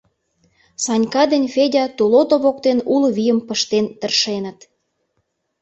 Санька ден Федя тулото воктен уло вийым пыштен тыршеныт.